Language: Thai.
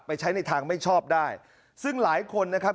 ใช้ในทางไม่ชอบได้ซึ่งหลายคนนะครับ